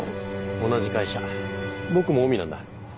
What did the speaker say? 同じ会社僕もオウミなんだ。